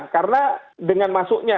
karena dengan masuknya